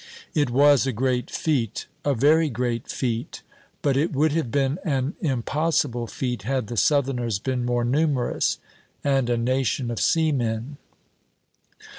It was a great feat, a very great feat; but it would have been an impossible feat had the Southerners been more numerous, and a nation of seamen.